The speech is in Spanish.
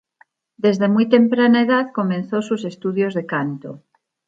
Desde muy temprana edad comenzó sus estudios de canto.